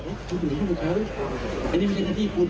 คุณหนูยุ่งเธออันนี้ไม่ใช่ที่คุณ